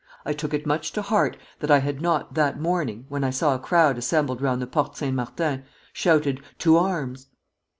"I took it much to heart that I had not that morning, when I saw a crowd assembled round the Porte Saint Martin, shouted 'To arms!'...